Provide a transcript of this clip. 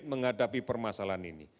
menghadapi permasalahan ini